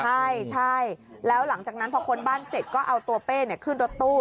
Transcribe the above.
ใช่ใช่แล้วหลังจากนั้นพอค้นบ้านเสร็จก็เอาตัวเป้ขึ้นรถตู้